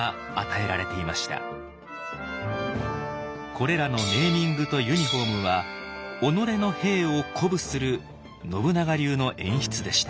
これらのネーミングとユニフォームは己の兵を鼓舞する信長流の演出でした。